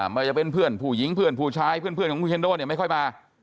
ไม่ว่าจะเป็นเพื่อนผู้หญิงเพื่อนผู้ชายเพื่อนของคุณเคนโดเนี่ยไม่ค่อยมา